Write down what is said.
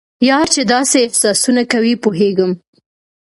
یار چې داسې احسانونه کوي پوهیږم.